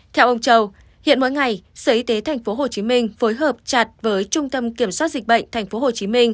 theo ông châu hiện mỗi ngày sở y tế tp hcm phối hợp chặt với trung tâm kiểm soát dịch bệnh tp hcm